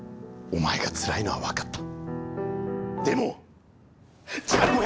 お前がつらいのは分かった。